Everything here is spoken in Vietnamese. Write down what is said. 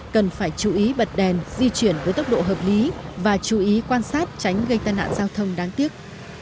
cần phải chú ý bật đèn di chuyển với tốc độ hợp lý và chú ý quan sát tránh gây tai nạn giao thông đáng tiếc